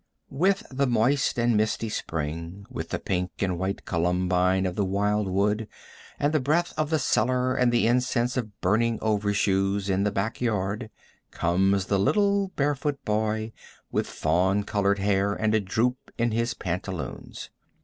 With the moist and misty spring, with the pink and white columbine of the wildwood and the breath of the cellar and the incense of burning overshoes in the back yard, comes the little barefoot boy with fawn colored hair and a droop in his pantaloons.